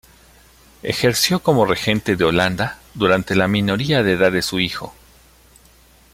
Ejerció como regente de Holanda durante la minoría de edad de su hijo.